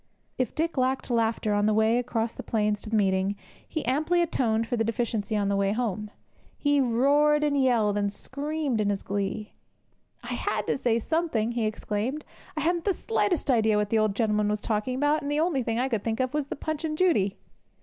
If Dick lacked laughter on the way across the plains to the meeting, he amply atoned for the deficiency on the way home. How he roared, and yelled, and screamed in his glee! 'I had to say something,' he exclaimed. 'I hadn't the slightest idea what the old gentleman was talking about; and the only thing I could think of was the Punch and Judy!'